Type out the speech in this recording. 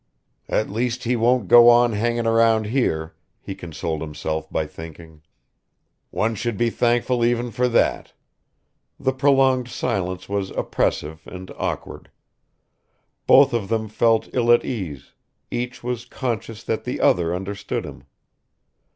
"At least he won't go on hanging around here," he consoled himself by thinking: "one should be thankful even for that." The prolonged silence was oppressive and awkward. Both of them felt ill at ease; each was conscious that the other understood him.